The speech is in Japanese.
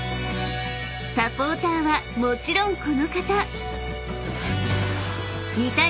［サポーターはもちろんこの方！］